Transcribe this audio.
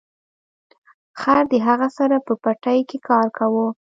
خر د هغه سره په پټي کې کار کاوه.